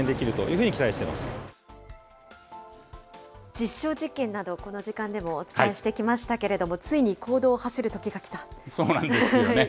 実証実験など、この時間でもお伝えしてきましたけれども、そうなんですよね。